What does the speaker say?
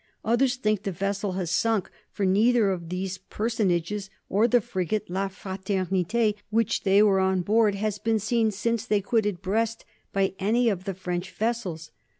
Others think the vessel has sunk, for neither of these personages or the frigate 'La Fraternité,' which they were on board, has been seen since they quitted Brest by any of the French vessels.